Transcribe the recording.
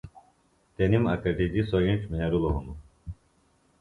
تنِم اکٹِجیۡ سوۡ اِنڇ مھیرِلوۡ ہنوۡ